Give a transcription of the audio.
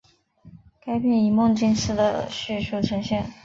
该片以梦境式的叙述呈现。